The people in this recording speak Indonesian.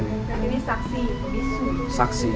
ini saksi bisu